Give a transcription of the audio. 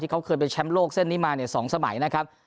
เขาเคยเป็นแชมป์โลกเส้นนี้มา๒สมัยนะครับ